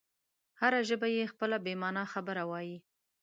هره ژبه یې خپله بې مانا خبره وایي.